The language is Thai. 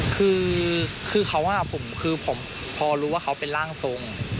คือเขาคือผมพอรู้ว่าเขาเป็นร่างทรง